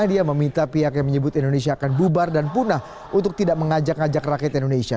dia meminta pihak yang menyebut indonesia akan bubar dan punah untuk tidak mengajak ngajak rakyat indonesia